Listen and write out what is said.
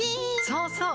そうそう！